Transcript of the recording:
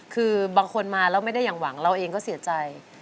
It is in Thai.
คือบางคนมาแล้วไม่ได้อย่างหวังเราเองก็เสียใจ